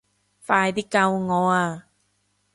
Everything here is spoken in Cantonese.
快啲救我啊